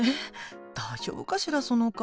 大丈夫かしらその方。